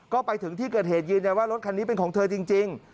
ก็ไปถึงที่เกิดเหตุยืนยันว่ารถคันนี้เป็นของเธอจริง